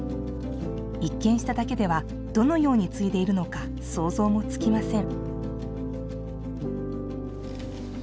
一見しただけではどのように継いでいるのか想像もつきません。